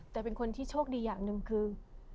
แต่เป็นคนที่โชคดีอย่างหนึ่งคือ